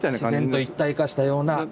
自然と一体化したような。